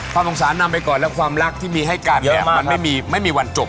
ความสงสารนำไปก่อนแล้วความรักที่มีให้กันเนี่ยมันไม่มีวันจบ